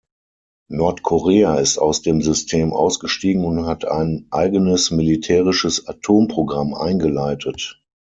Nordkorea ist aus dem System ausgestiegen und hat ein eigenes militärisches Atomprogramm eingeleitet.